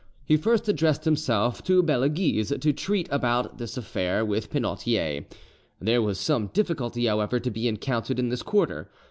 He first addressed himself to Belleguise to treat about this affair with Penautier. There was some difficulty, however, to be encountered in this quarter.